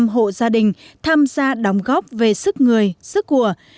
ba trăm linh năm hộ gia đình tham gia đóng góp về sức người sức của